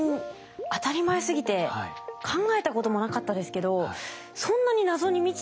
当たり前すぎて考えたこともなかったですけどそんなに謎に満ちてるんですね。